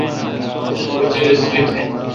کُچَر اسری تھہ۔